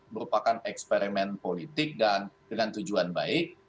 merupakan eksperimen politik dan dengan tujuan baik